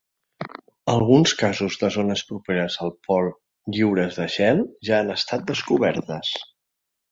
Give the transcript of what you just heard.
Alguns casos de zones properes al Pol lliures de gel ja han estat descobertes.